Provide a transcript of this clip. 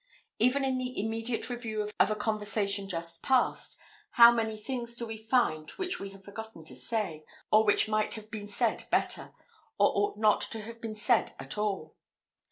Even in the immediate review of a conversation just passed, how many things do we find which we have forgotten to say, or which might have been said better, or ought not to have been said at all!